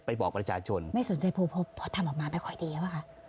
ไปบอกประชาชนไม่สนใจโพลพบพอทำออกมาไม่ค่อยดีหรอคะ